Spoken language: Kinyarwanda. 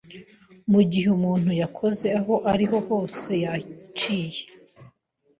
mu gihe umuntu yakoze aho iri ho hose yaciye